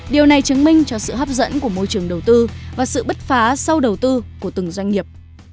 điều này chứng minh cho sự hấp dẫn của môi trường đầu tư và sự bứt phá sau đầu tư của từng doanh nghiệp